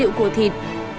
rượu của thịt